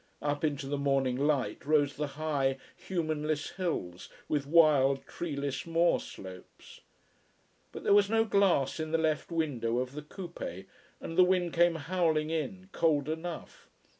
Up into the morning light rose the high, humanless hills, with wild, treeless moor slopes. But there was no glass in the left window of the coupé, and the wind came howling in, cold enough.